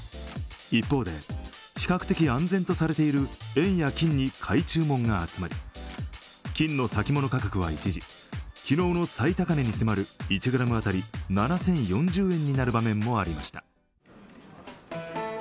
一方で、比較的安全とされている円や金に買い注文が集まり金の先物価格は一時、昨日の最高値に迫る１ｇ当たり７０４０円になる場面もありました。